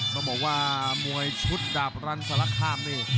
ต้องบอกว่ามวยชุดดาบรันสารคามนี่